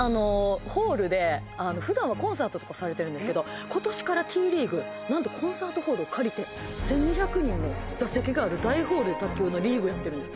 ホールで普段はコンサートとかされてるんですけど今年からＴリーグ何とコンサートホールを借りて１２００人の座席がある大ホールで卓球のリーグをやってるんです